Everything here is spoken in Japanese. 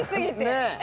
ねえ。